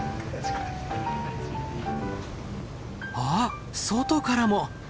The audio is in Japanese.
あっ外からも。